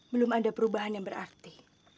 belum ada perubahan yang berarti